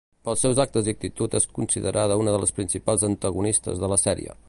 Pels seus actes i actitud és considerada una de les principals antagonistes de la sèrie.